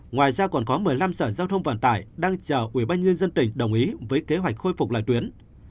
ngoài ra còn có một mươi năm sở giao thông vận tải đang chờ ubnd tỉnh đồng ý với kế hoạch khôi phục lại tuyến